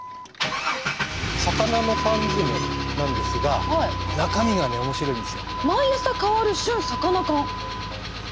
魚の缶詰なんですが中身がね面白いんですよ。